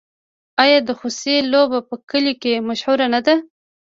آیا د خوسي لوبه په کلیو کې مشهوره نه ده؟